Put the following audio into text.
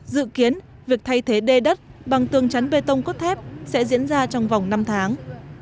dự kiến việc thay thế đê đất bằng tường chắn bê tông cốt thép sẽ diễn ra trong vòng năm tháng